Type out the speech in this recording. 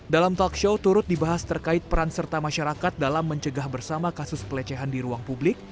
dalam talk show turut dibahas terkait peran serta masyarakat dalam mencegah bersama kasus pelecehan di ruang publik